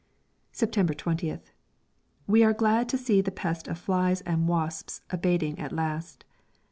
September 20th. We are glad to see the pest of flies and wasps abating at last.